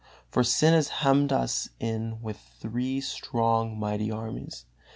For sin has hemmed us in with three strong, mighty armies.